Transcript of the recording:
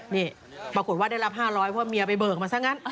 นี่ปรากฏว่าได้รับ๕๐๐เพราะเมียไปเบิกมาซะงั้น